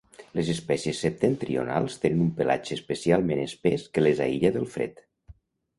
Les espècies septentrionals tenen un pelatge especialment espès que les aïlla del fred.